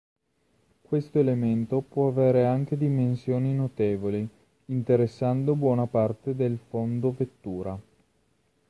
Questo elemento può avere anche dimensioni notevoli, interessando buona parte del fondo vettura.